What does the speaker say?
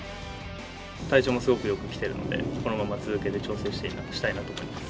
体調もすごくよくきてるので、このまま続けて調整したいなと思います。